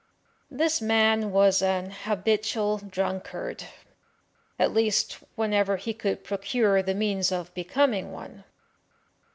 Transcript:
This man was an habitual drunkard, at least whenever he could procure the means of becoming one.